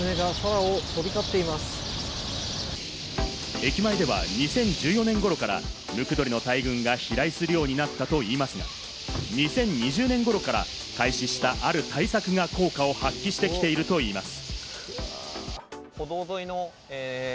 駅前では２０１４年頃からムクドリの大群が飛来するようになったといいますが、２０２０年ごろから開始した、ある対策が効果を発揮してきているといいます。